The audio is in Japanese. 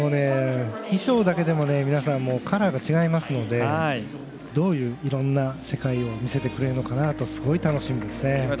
衣装だけでも皆さん、カラーが違いますのでどういう、いろんな世界を見せてくれるのかなとすごい楽しみですね。